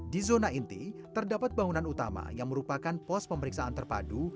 di zona inti terdapat bangunan utama yang merupakan pos pemeriksaan terpadu